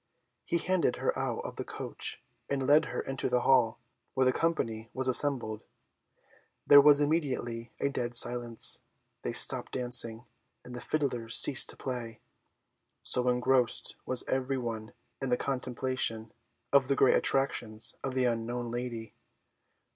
He handed her out of the coach and led her into the hall, where the company was assembled. There was immediately a dead silence; they stopped dancing, and the fiddlers ceased to play, so engrossed was every one in the contemplation of the great attractions of the unknown lady.